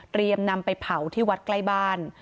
นำไปเผาที่วัดใกล้บ้าน